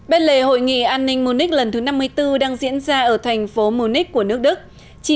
bên lề hội nghị an ninh munich lần thứ năm mươi bốn đang diễn ra ở thành phố munich của nước đức